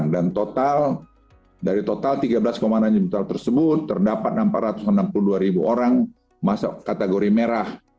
dari total tiga belas enam juta tersebut terdapat empat ratus enam puluh dua ribu orang masuk kategori merah